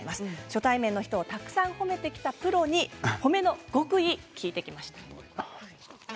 初対面の人をたくさん褒めてきたプロに褒めの極意、聞いてきました。